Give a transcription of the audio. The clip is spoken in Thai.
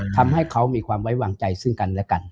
ทำให้เขามีความไว้วางใจซึ่งกันและกัน